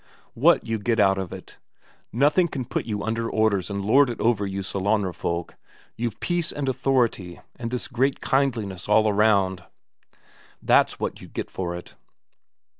What you get out of it? Nothing can put you under orders and lord it over you Sellanraa folk, you've peace and authority and this great kindliness all round. That's what you get for it.